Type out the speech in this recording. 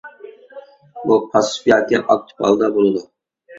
بۇ پاسسىپ ياكى ئاكتىپ ھالدا بولىدۇ.